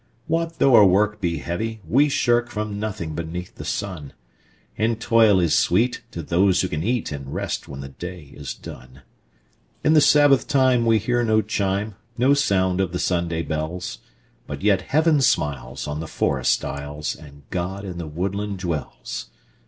What though our work he heavy, we shirkFrom nothing beneath the sun; And toil is sweet to those who can eatAnd rest when the day is done.In the Sabbath time we hear no chime, No sound of the Sunday bells; But yet Heaven smiles on the forest aisles, And God in the woodland dwells.